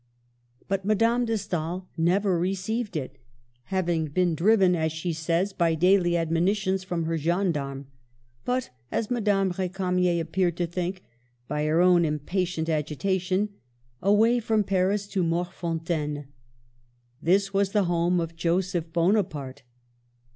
But Madame de Stael never received it, having been driven, as she says, by daily admoni tions from her gendarme — but as Madame R6 camier appeared to think, by her own impatient agitation — away from Paris to Morfontaine. This was the home of Joseph Bonaparte.